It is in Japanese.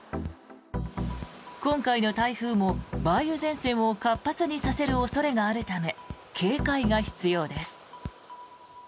今回の台風も梅雨前線を活発にさせる恐れがあるため警戒が必要です。